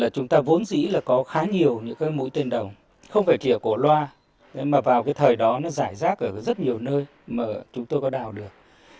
chúng ta vốn dĩ là có khá nhiều những cái mũi tên đồng không phải chỉ ở cổ loa mà vào cái thời đó nó giải rác ở rất nhiều nơi mà chúng tôi có đào được